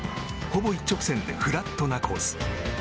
ほぼ一直線でフラットなコース。